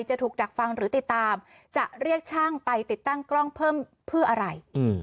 จะถูกดักฟังหรือติดตามจะเรียกช่างไปติดตั้งกล้องเพิ่มเพื่ออะไร